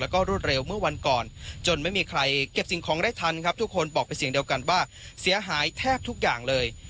แล้วก็รวดเร็วเมื่อวันก่อนจนไม่มีใครเก็บสิ่งของได้ทันครับทุกคนบอกเป็นเสียงเดียวกันว่าเสียหายแทบทุกอย่างเลย